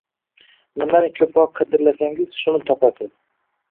Nimani ko’proq qadrlasangiz shuni topasiz